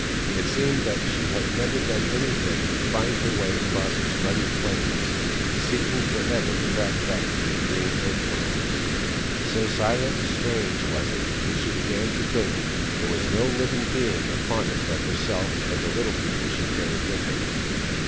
It seemed that she had never done anything but find her way across its rugged plains, seeking ever for the track back to the green Earth World. So silent and strange was it that she began to think there was no living being upon it but herself and the Little People she carried with her.